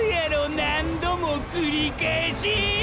何度もォ繰り返しィ！！